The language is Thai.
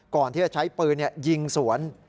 ก่อนที่จะใช้ปืนยิงสวน